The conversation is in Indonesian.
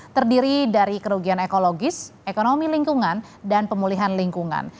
terdiri dari kerugian ekologis ekonomi lingkungan dan pemulihan lingkungan